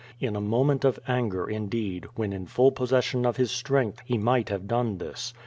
In a moment of anger, indeed, when in full possession of his strength, he might have done this.